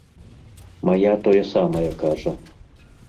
Мая тое самае кажа.